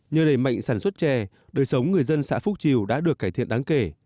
nhờ đầy mạnh sản xuất trẻ đời sống người dân xã phúc triều đã được cải thiện đáng kể